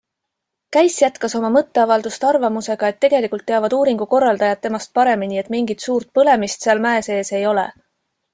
Käiss jätkas oma mõtteavaldust arvamusega, et tegelikult teavad uuringu korraldajad temast paremini, et mingit suur põlemist seal mäe sees ei ole.